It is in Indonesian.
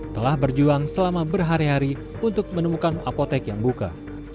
telah berjuang selama berhari hari untuk menemukan apotek yang buka